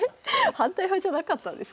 反対派じゃなかったんですか？